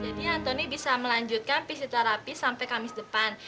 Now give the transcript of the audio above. jadi antoni bisa melanjutkan fisioterapi sampai kamis depan